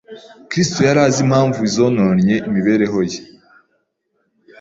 Kristo yari azi impamvu zononnye imibereho ye